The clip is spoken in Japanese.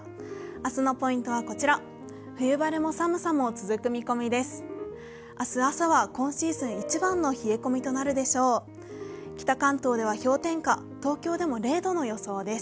明日のポイントはこちら、冬晴れも寒さも続く見込みです。